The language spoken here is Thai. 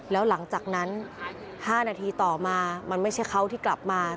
แล้วหลังจากนั้น๕นาทีต่อมามันไม่ใช่เขาที่กลับมา